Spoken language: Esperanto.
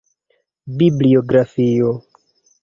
Bibliografio.